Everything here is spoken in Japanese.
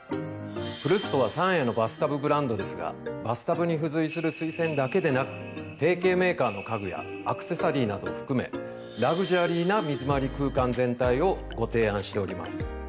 ＦＬＵＳＳＯはＳＡＮＥＩのバスタブブランドですがバスタブに付随する水栓だけでなく提携メーカーの家具やアクセサリーなどを含めラグジュアリーな水まわり空間全体をご提案しております。